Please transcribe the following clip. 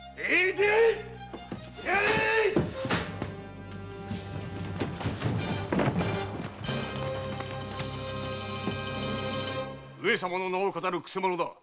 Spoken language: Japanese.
出会え‼上様の名を騙るくせ者だ！